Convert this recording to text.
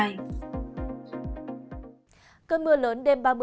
cơn mưa lớn đêm ba mươi tháng tám đến dạng sát covid một mươi chín